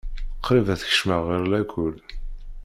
Qrib ad yekcem ɣer lakul.